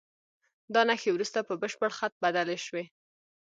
دا نښې وروسته په بشپړ خط بدلې شوې.